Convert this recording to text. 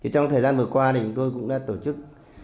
trong thời gian vừa qua thì chúng tôi cũng đã tổ chức